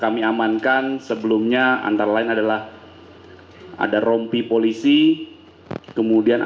jadi saat sebuah penyus inclusion